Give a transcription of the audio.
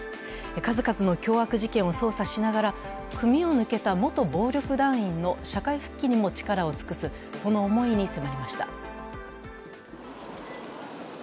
数々の凶悪事件を捜査しながら組を抜けた元暴力団員の社会復帰にも力を尽くす、その思いに迫りました。